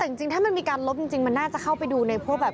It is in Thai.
แต่จริงถ้ามันมีการลบจริงมันน่าจะเข้าไปดูในพวกแบบ